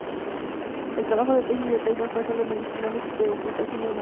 El trabajo de tesis de Taylor fue sobre mediciones de ocultación lunar.